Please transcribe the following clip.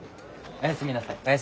おやすみなさい。